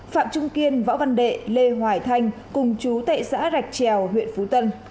phạm trung kiên võ văn đệ lê hoài thanh cùng trú tại xã rạch trèo huyện phú tân